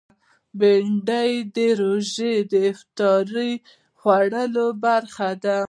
بېنډۍ د روژې افطار خوړلو برخه وي